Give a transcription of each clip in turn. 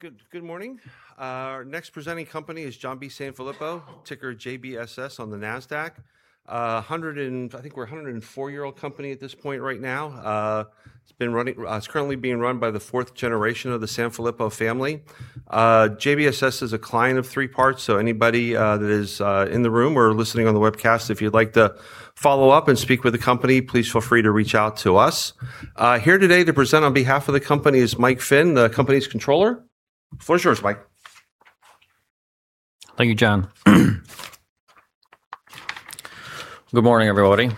Good morning. Our next presenting company is John B. Sanfilippo, ticker JBSS on the NASDAQ. I think we're a 104-year-old company at this point right now. It's currently being run by the fourth generation of the Sanfilippo family. JBSS is a client of Three Part, so anybody that is in the room or listening on the webcast, if you'd like to follow up and speak with the company, please feel free to reach out to us. Here today to present on behalf of the company is Mike Finn, the company's Controller. The floor is yours, Mike. Thank you, John. Good morning, everybody.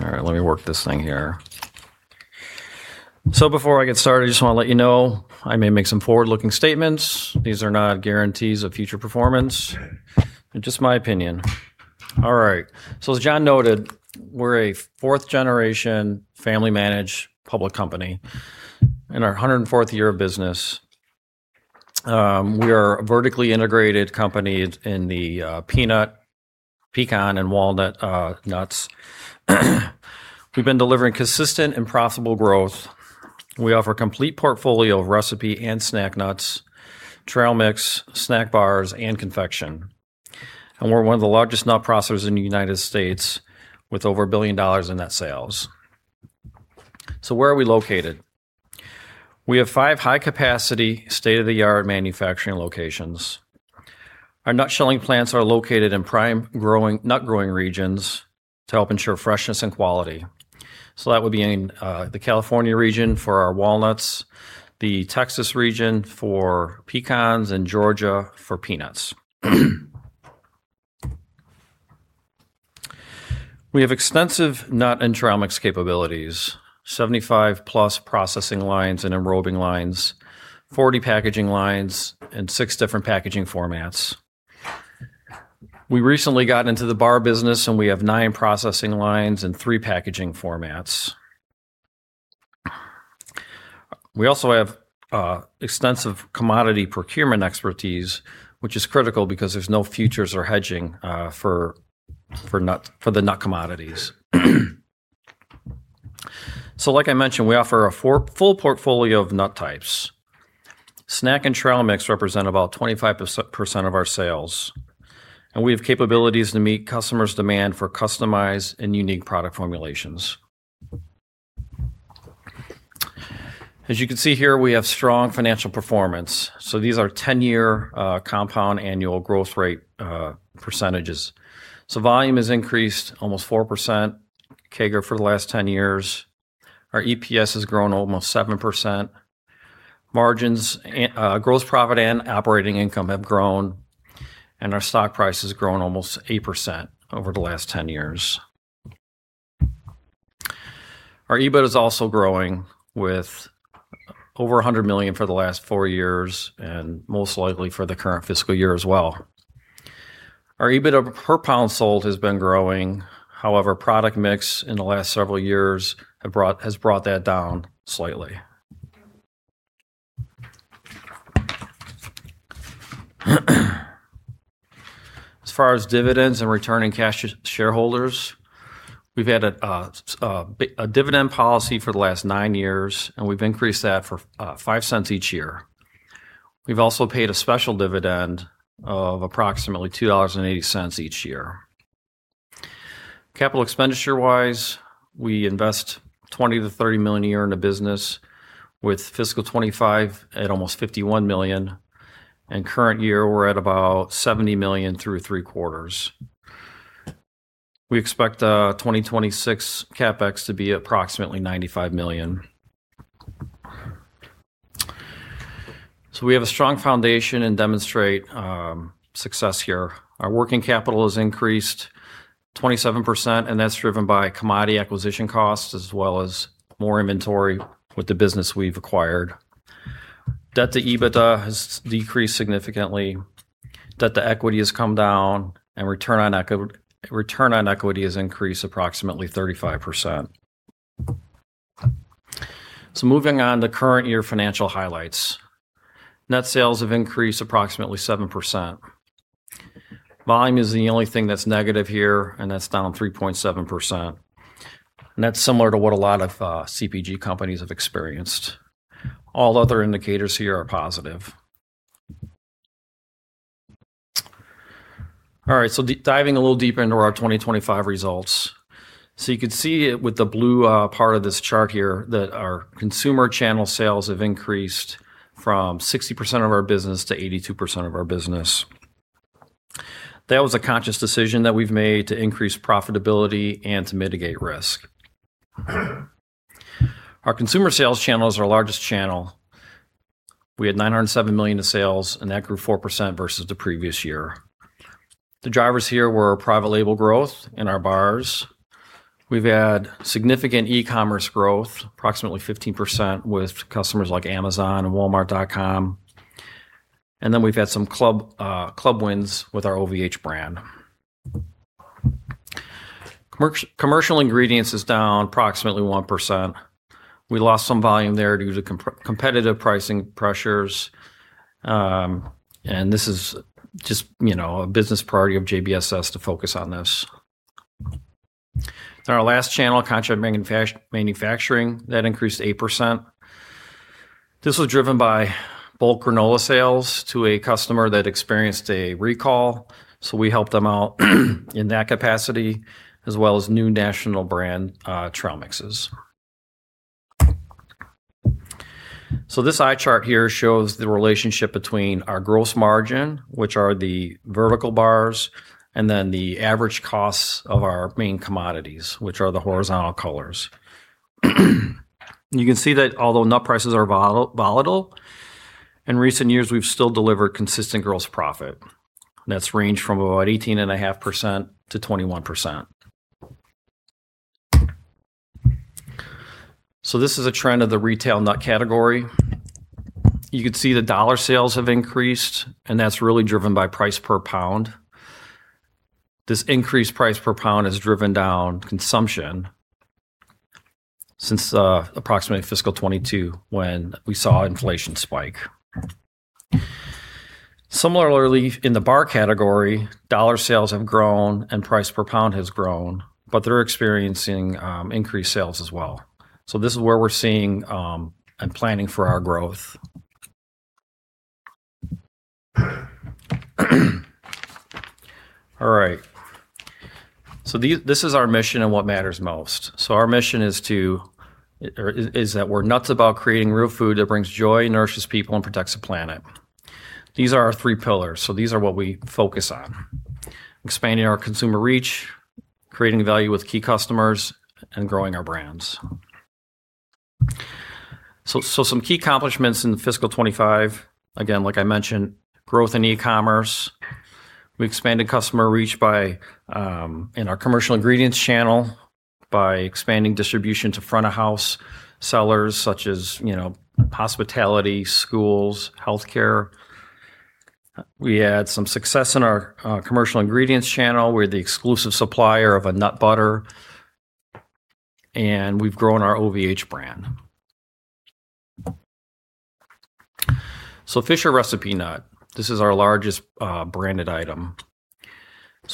Let me work this thing here. Before I get started, I just want to let you know, I may make some forward-looking statements. These are not guarantees of future performance, they're just my opinion. As John noted, we're a fourth-generation, family-managed public company in our 104th year of business. We are a vertically integrated company in the peanut, pecan, and walnut nuts. We've been delivering consistent and profitable growth. We offer a complete portfolio of recipe and snack nuts, trail mix, snack bars, and confection. We're one of the largest nut processors in the U.S., with over $1 billion in net sales. Where are we located? We have five high-capacity, state-of-the-art manufacturing locations. Our nut-shelling plants are located in prime nut-growing regions to help ensure freshness and quality. That would be in the California region for our walnuts, the Texas region for pecans, and Georgia for peanuts. We have extensive nut and trail mix capabilities, 75+ processing lines and enrobing lines, 40 packaging lines, and six different packaging formats. We recently got into the bar business, and we have nine processing lines and three packaging formats. We also have extensive commodity procurement expertise, which is critical because there's no futures or hedging for the nut commodities. Like I mentioned, we offer a full portfolio of nut types. Snack and trail mix represent about 25% of our sales, and we have capabilities to meet customers' demand for customized and unique product formulations. As you can see here, we have strong financial performance. These are 10-year compound annual growth rate percentages. Volume has increased almost 4% CAGR for the last 10 years. Our EPS has grown almost 7%. Margins, gross profit, and operating income have grown, and our stock price has grown almost 8% over the last 10 years. Our EBIT is also growing, with over $100 million for the last four years, and most likely for the current fiscal year as well. Our EBIT per pound sold has been growing. However, product mix in the last several years has brought that down slightly. As far as dividends and returning cash to shareholders, we've had a dividend policy for the last nine years, and we've increased that for $0.05 each year. We've also paid a special dividend of approximately $2.80 each year. Capital expenditure-wise, we invest $20 million-$30 million a year in the business, with fiscal 2025 at almost $51 million, and current year we're at about $70 million through three quarters. We expect 2026 CapEx to be approximately $95 million. We have a strong foundation and demonstrate success here. Our working capital has increased 27%, and that's driven by commodity acquisition costs as well as more inventory with the business we've acquired. Debt to EBITDA has decreased significantly. Debt to equity has come down, and return on equity has increased approximately 35%. Moving on to current year financial highlights. Net sales have increased approximately 7%. Volume is the only thing that's negative here, and that's down 3.7%. That's similar to what a lot of CPG companies have experienced. All other indicators here are positive. Diving a little deeper into our 2025 results. You can see it with the blue part of this chart here that our consumer channel sales have increased from 60% of our business to 82% of our business. That was a conscious decision that we've made to increase profitability and to mitigate risk. Our consumer sales channel is our largest channel. We had $907 million of sales, and that grew 4% versus the previous year. The drivers here were our private label growth and our bars. We've had significant e-commerce growth, approximately 15%, with customers like Amazon and Walmart.com. We've had some club wins with our OVH brand. Commercial ingredients is down approximately 1%. We lost some volume there due to competitive pricing pressures. This is just a business priority of JBSS to focus on this. Our last channel, contract manufacturing, that increased 8%. This was driven by bulk granola sales to a customer that experienced a recall, as well as new national brand trail mixes. This eye chart here shows the relationship between our gross margin, which are the vertical bars, and then the average costs of our main commodities, which are the horizontal colors. You can see that although nut prices are volatile, in recent years, we've still delivered consistent gross profit. That's ranged from about 18.5%-21%. This is a trend of the retail nut category. You could see the dollar sales have increased, and that's really driven by price per pound. This increased price per pound has driven down consumption since approximately fiscal 2022, when we saw inflation spike. Similarly, in the bar category, dollar sales have grown and price per pound has grown, but they're experiencing increased sales as well. This is where we're seeing and planning for our growth. This is our mission and what matters most. Our mission is that we're nuts about creating real food that brings joy, nourishes people, and protects the planet. These are our three pillars. These are what we focus on. Expanding our consumer reach, creating value with key customers, and growing our brands. Some key accomplishments in fiscal 2025, again, like I mentioned, growth in e-commerce. We expanded customer reach in our commercial ingredients channel by expanding distribution to front-of-house sellers such as hospitality, schools, healthcare. We had some success in our commercial ingredients channel. We're the exclusive supplier of a nut butter, and we've grown our OVH brand. Fisher Recipe Nuts, this is our largest branded item.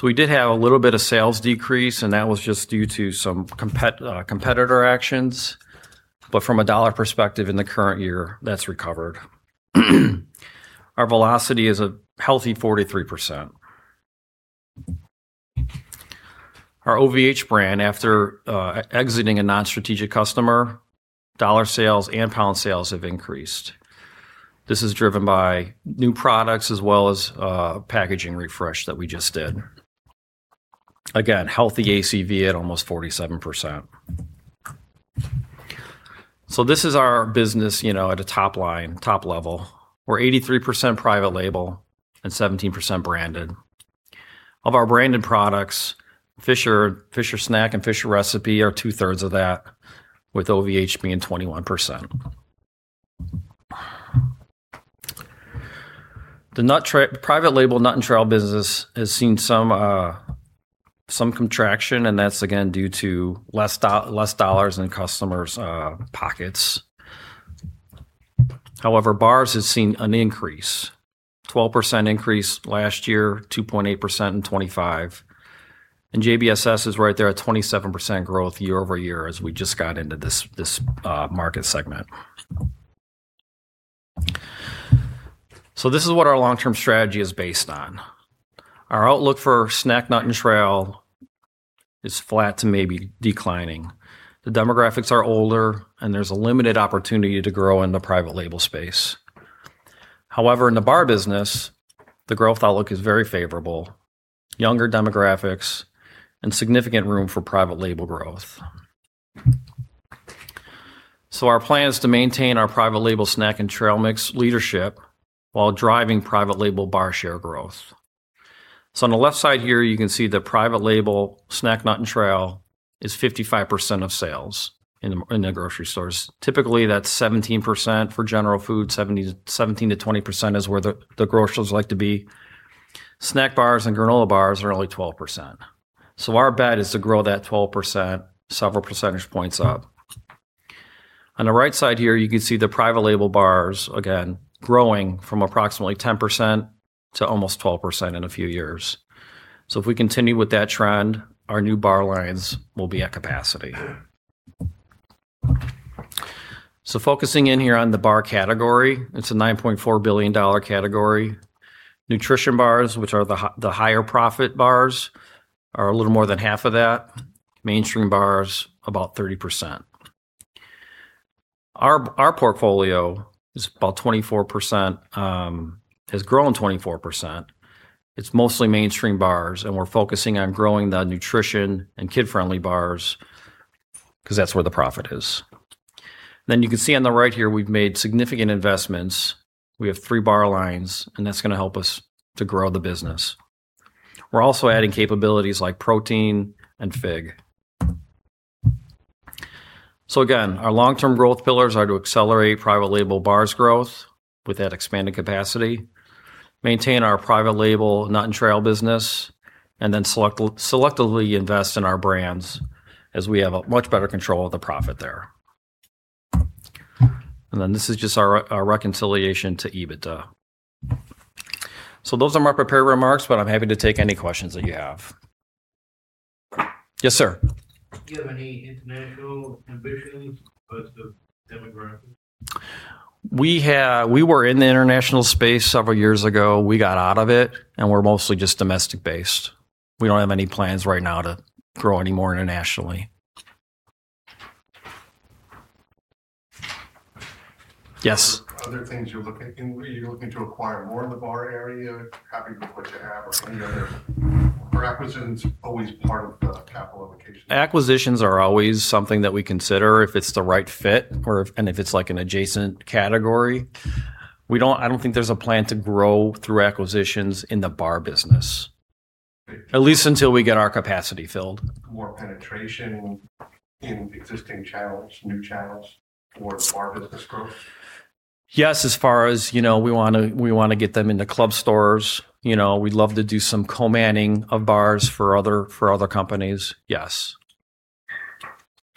We did have a little bit of sales decrease, and that was just due to some competitor actions. From a dollar perspective in the current year, that's recovered. Our velocity is a healthy 43%. Our OVH brand, after exiting a non-strategic customer, dollar sales and pound sales have increased. This is driven by new products as well as a packaging refresh that we just did. Again, healthy ACV at almost 47%. This is our business at a top line, top level. We're 83% private label and 17% branded. Of our branded products, Fisher Snack and Fisher Recipe are two-thirds of that, with OVH being 21%. The private label nut and trail business has seen some contraction, and that's again due to less dollars in customers' pockets. However, bars has seen an increase, 12% increase last year, 2.8% in 2025. JBSS is right there at 27% growth year-over-year as we just got into this market segment. This is what our long-term strategy is based on. Our outlook for snack nut and trail is flat to maybe declining. The demographics are older and there's a limited opportunity to grow in the private label space. However, in the bar business, the growth outlook is very favorable, younger demographics and significant room for private label growth. Our plan is to maintain our private label snack and trail mix leadership while driving private label bar share growth. On the left side here, you can see the private label snack nut and trail is 55% of sales in the grocery stores. Typically, that's 17% for general food, 17%-20% is where the grocers like to be. Snack bars and granola bars are only 12%. Our bet is to grow that 12% several percentage points up. On the right side here, you can see the private label bars, again, growing from approximately 10% to almost 12% in a few years. If we continue with that trend, our new bar lines will be at capacity. Focusing in here on the bar category, it's a $9.4 billion category. Nutrition bars, which are the higher profit bars, are a little more than half of that. Mainstream bars, about 30%. Our portfolio has grown 24%. It's mostly mainstream bars, and we're focusing on growing the nutrition and kid-friendly bars because that's where the profit is. You can see on the right here, we've made significant investments. We have three bar lines, and that's going to help us to grow the business. We're also adding capabilities like protein and fig. Again, our long-term growth pillars are to accelerate private label bars growth with that expanded capacity, maintain our private label nut and trail business, and then selectively invest in our brands as we have a much better control of the profit there. This is just our reconciliation to EBITDA. Those are my prepared remarks, but I'm happy to take any questions that you have. Yes, sir. Do you have any international ambitions because of demographics? We were in the international space several years ago. We got out of it, we're mostly just domestic-based. We don't have any plans right now to grow any more internationally. Yes. Are there other things you're looking to acquire more in the bar area? Happy with what you have? Are there other acquisitions always part of the capital allocation? Acquisitions are always something that we consider if it's the right fit or if it's like an adjacent category. I don't think there's a plan to grow through acquisitions in the bar business, at least until we get our capacity filled. More penetration in existing channels, new channels towards bar business growth? Yes. As far as we want to get them into club stores. We'd love to do some co-manning of bars for other companies. Yes.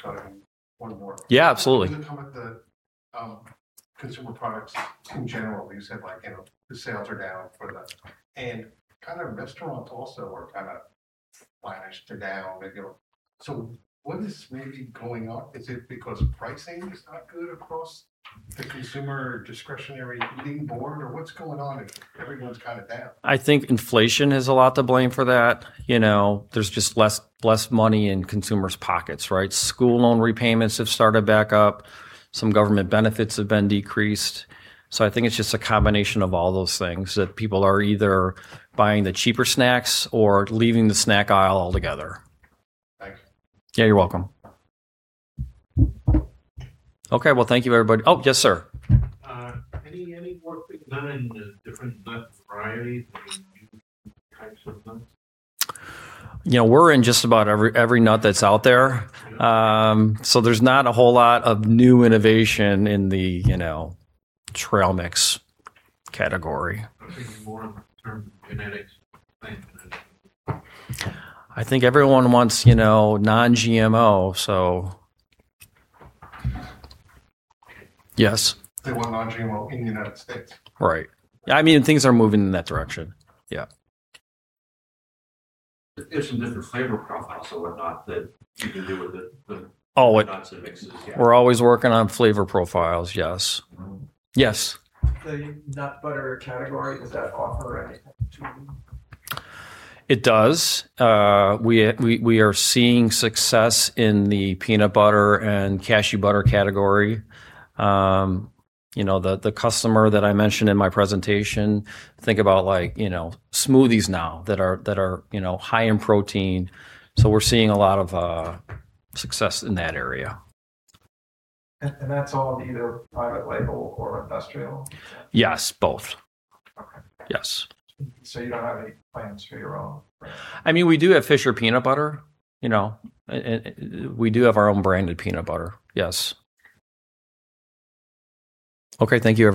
Sorry, one more. Yeah, absolutely. When you comment the consumer products in general, you said like the sales are down for that and kind of restaurants also are kind of flattish. They're down. What is maybe going on? Is it because pricing is not good across the consumer discretionary eating board? What's going on if everyone's kind of down? I think inflation has a lot to blame for that. There's just less money in consumers' pockets, right? School loan repayments have started back up. Some government benefits have been decreased. I think it's just a combination of all those things that people are either buying the cheaper snacks or leaving the snack aisle altogether. Thanks. Yeah, you're welcome. Okay. Well, thank you, everybody. Oh, yes, sir. Any work being done in the different nut varieties or new types of nuts? We're in just about every nut that's out there. There's not a whole lot of new innovation in the trail mix category. I'm thinking more in terms of genetics. Plant genetics. I think everyone wants non-GMO. Yes. They want non-GMO in the United States? Right. I mean, things are moving in that direction. Yeah. There's some different flavor profiles or whatnot that you can do with- Oh.... nuts and mixes, yeah. We're always working on flavor profiles, yes. Yes. The nut butter category, does that offer anything to you? It does. We are seeing success in the peanut butter and cashew butter category. The customer that I mentioned in my presentation, think about smoothies now that are high in protein. We're seeing a lot of success in that area. That's all either private label or industrial? Yes, both. Okay. Yes. You don't have any plans for your own brand? I mean, we do have Fisher Peanut Butter. We do have our own branded peanut butter. Yes. Okay. Thank you, everybody.